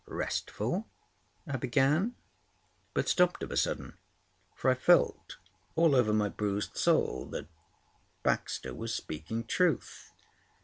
"Restful?" I began, but stopped of a sudden, for I felt all over my bruised soul that Baxter was speaking truth.